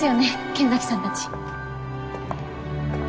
剣崎さんたち。